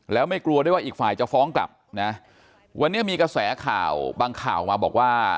แล้วไม่กลัวด้วยว่าอีกฝ่ายจะฟ้องกลับนะวันนี้มีกระแสข่าวบางข่าวมาบอกว่า